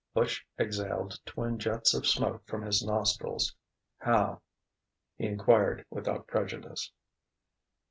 Butch exhaled twin jets of smoke from his nostrils. "How?" he enquired without prejudice.